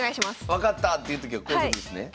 分かった！っていうときはこういうことですね？